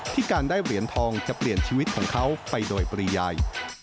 การได้เหรียญทองจะเปลี่ยนชีวิตของเขาไปโดยปริยาย